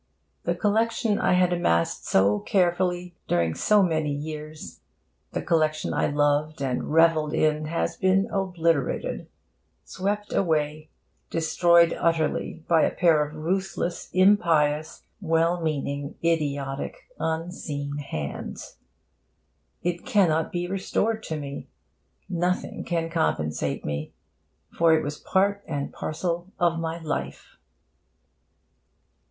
The collection I had amassed so carefully, during so many years, the collection I loved and revelled in, has been obliterated, swept away, destroyed utterly by a pair of ruthless, impious, well meaning, idiotic, unseen hands. It cannot be restored to me. Nothing can compensate me for it gone. It was part and parcel of my life.